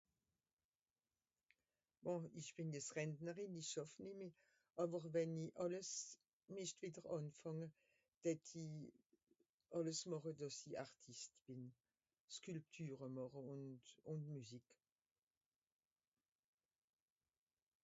à ìsch bìn jetzt Renterinn ìsch schàff nemmi àwer wenni àlles mìscht wetter ànfànge d'hetti àlles màche dàss'i artiste bìn sculpture màche ùnd ùn musique